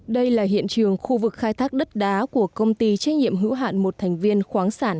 đây là hiện trường khu vực khai thác đất đá của công ty trách nhiệm hữu hạn một thành viên khoáng sản